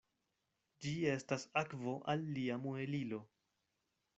Ĝi estas akvo al lia muelilo.